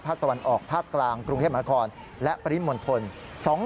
ภาคตะวันออกภาคกลางกรุงเทพฯมหาคลและปริศมนต์ฝน